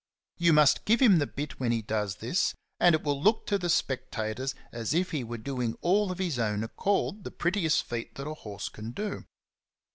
You must give him the bit when he does this, and it will look to the spectators as if he were doing all of his own accord the prettiest feat that a horse can do.